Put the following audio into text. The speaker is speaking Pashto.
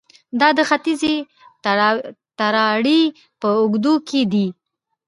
دا د ختیځې تراړې په اوږدو کې دي